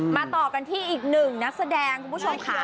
ต่อกันที่อีกหนึ่งนักแสดงคุณผู้ชมค่ะ